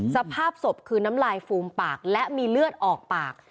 สภาพศพคือน้ำลายฟูมปากและมีเลือดออกปาก